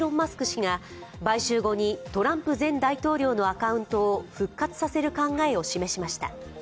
氏が買収後にトランプ前大統領のアカウントを復活させる考えを示しました。